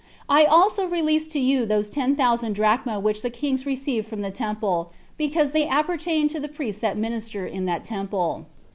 I also release to you those ten thousand drachmae which the kings received from the temple, because they appertain to the priests that minister in that temple.